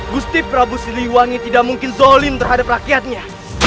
gusti prabu siliwangi tidak mungkin zolim terhadap rakyatnya